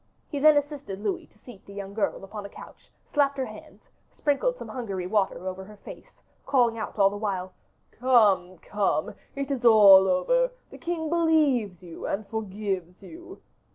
He then assisted Louis to seat the young girl upon a couch, slapped her hands, sprinkled some Hungary water over her face, calling out all the while, "Come, come, it is all over; the king believes you, and forgives you.